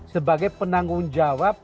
sebagai penanggung jawab